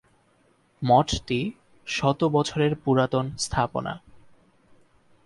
মঠ টি শত বছরের পুরাতন স্থাপনা।